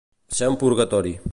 Ser un purgatori.